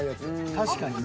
確かにね。